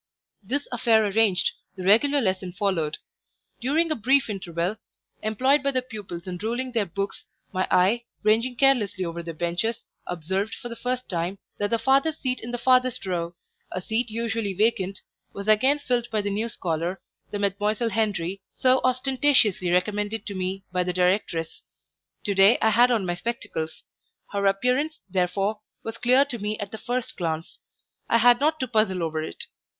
This affair arranged, the regular lesson followed. During a brief interval, employed by the pupils in ruling their books, my eye, ranging carelessly over the benches, observed, for the first time, that the farthest seat in the farthest row a seat usually vacant was again filled by the new scholar, the Mdlle. Henri so ostentatiously recommended to me by the directress. To day I had on my spectacles; her appearance, therefore, was clear to me at the first glance; I had not to puzzle over it.